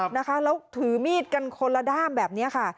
นะคะแล้วถือมีดกันคนละด้ามแบบนี้ค่ะ